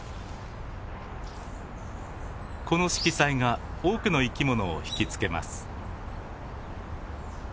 この色彩が多くの生き物をひきつけます。